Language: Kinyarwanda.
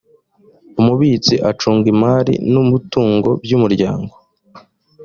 umubitsi acunga imari n umutungo by umuryango